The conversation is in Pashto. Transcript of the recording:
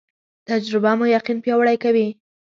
تجربه مو یقین پیاوړی کوي